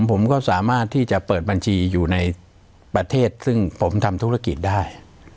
ผมก็สามารถที่จะเปิดบัญชีอยู่ในประเทศซึ่งผมทำธุรกิจได้